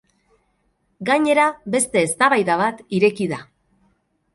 Gainera, beste eztabaida bat ireki da.